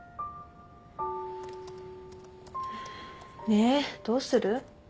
ねどうする？